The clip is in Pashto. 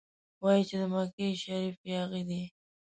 وايي چې د مکې شریف یاغي دی.